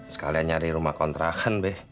sekalian nyari rumah kontrakan deh